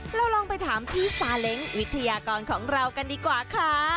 เราลองไปถามพี่ซาเล้งวิทยากรของเรากันดีกว่าค่ะ